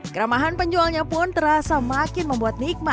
keramahan penjualnya pun terasa makin membuat nikmat